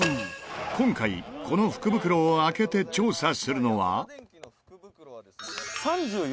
今回、この福袋を開けて調査するのは二階堂：